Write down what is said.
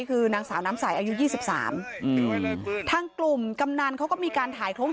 คือนางสาวน้ำใสอายุยี่สิบสามอืมทางกลุ่มกำนันเขาก็มีการถ่ายโครง